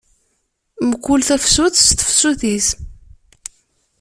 Mkul tafsut s tefsut-is.